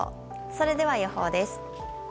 それでは予報です。